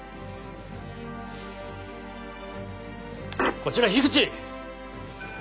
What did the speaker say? こちら口！